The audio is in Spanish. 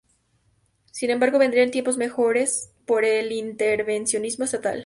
Sin embargo, vendrían tiempos mejores por el intervencionismo estatal.